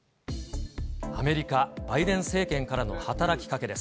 アメリカ、バイデン政権からの働きかけです。